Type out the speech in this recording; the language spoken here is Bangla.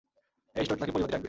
এই স্টোরটাকে পরিপাটি রাখবে।